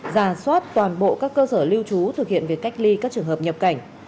ra soát toàn bộ các cơ sở lưu trú thực hiện việc cách ly các trường hợp nhập cảnh